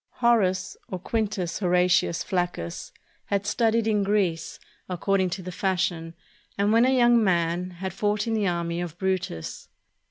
Horace, or Quintus Horatius Flaccus, had studied in Greece, according to the fashion, and when a young man, had fought in the army of Brutus.